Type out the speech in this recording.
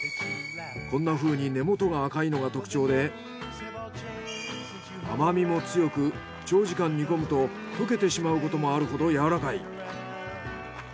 こんなふうに根元が赤いのが特徴で甘みも強く長時間煮込むと溶けてしまうこともあるほど柔らかい。